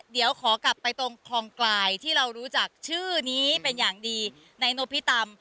เดี๋ยวขอกลับไปตรงคลองกลายที่เรารู้จักชื่อนี้เป็นอย่างดีในนพิตำ